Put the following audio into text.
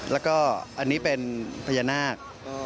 แล้วก็อันนี้เป็นพญานาค